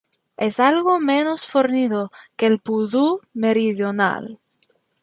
Es algo menos fornido que el pudú meridional.